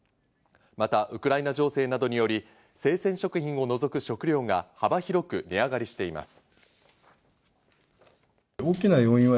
またウクライナ情勢などにより、生鮮食品を除く食料が幅広く値上がりしています。